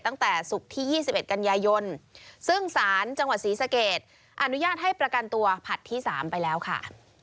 ตั้งแต่ศุกร์ที่๒๑กันยายนซึ่งศาลจังหวัดศรีสะเกดอนุญาตให้ประกันตัวผลัดที่๓ไปแล้วค่ะ